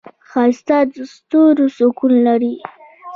ښایست د ستورو سکون لري